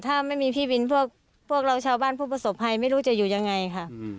ถ้าไม่มีพี่บินพวกเราชาวบ้านผู้ประสบภัยไม่รู้จะอยู่ยังไงค่ะ